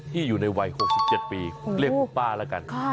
ที่อยู่ในวัย๖๗ปีเรียกผู้ป้าละกัน